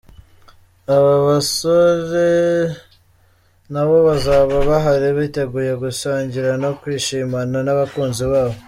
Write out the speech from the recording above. Aba basore nabo bazaba bahari biteguye gusangira no kwishimana n’abakunzi babo.